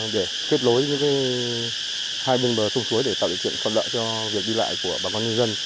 để kết lối những hai bên bờ thung suối để tạo điều kiện phân đợi cho việc đi lại của bà con nhân dân